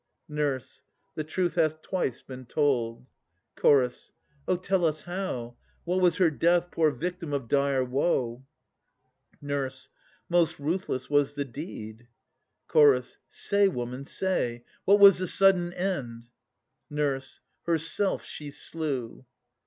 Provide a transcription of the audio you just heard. NUR. The truth hath twice been told. CH. O tell us how! What was her death, poor victim of dire woe? NUR. Most ruthless was the deed. CH. Say, woman, say! What was the sudden end? NUR. Herself she slew.